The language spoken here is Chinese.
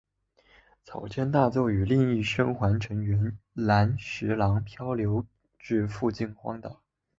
草间大作与另一生还乘客岚十郎漂流至附近荒岛。